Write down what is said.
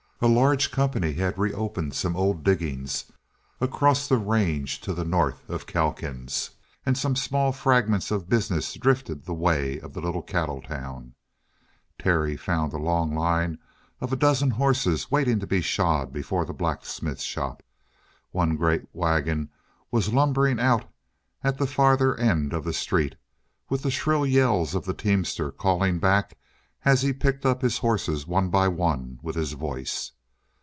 A large company had reopened some old diggings across the range to the north of Calkins, and some small fragments of business drifted the way of the little cattle town. Terry found a long line of a dozen horses waiting to be shod before the blacksmith shop. One great wagon was lumbering out at the farther end of the street, with the shrill yells of the teamster calling back as he picked up his horses one by one with his voice.